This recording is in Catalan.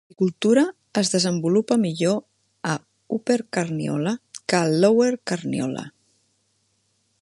L"agricultura es desenvolupa millor a Upper Carniola que a Lower Carniola.